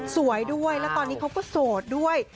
สวยด้วยแล้วตอนนี้เขาก็โสดด้วย